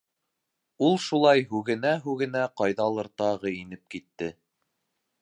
Ул шулай һүгенә-һүгенә ҡайҙалыр тағы инеп китте.